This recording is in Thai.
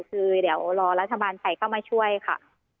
คือเดี๋ยวรอรัฐบาลไทยเข้ามาช่วยค่ะ